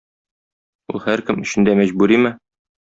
Ул һәркем өчен дә мәҗбүриме?